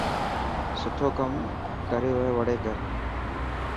سٺو ڪم ڪروهي وڙي ڪر.